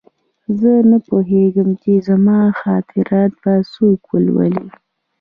زه نه پوهېږم چې زما خاطرات به څوک ولولي